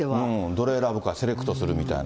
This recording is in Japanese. どれ選ぶかセレクトするみたいな。